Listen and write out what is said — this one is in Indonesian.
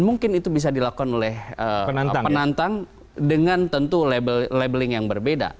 dan mungkin itu bisa dilakukan oleh penantang dengan tentu labeling yang berbeda